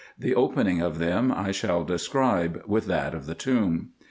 The opening of them I shall describe, with that of the tomb.